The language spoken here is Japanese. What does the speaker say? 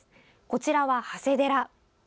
こちらは長谷寺。